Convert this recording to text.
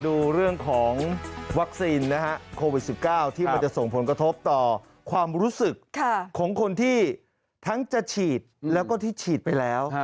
ดูเรื่องของวัคซีนนะฮะโควิด๑๙ที่มันจะส่งผลกระทบต่อความรู้สึกของคนที่ทั้งจะฉีดแล้วก็ที่ฉีดไปแล้ว